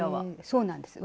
そうなんです。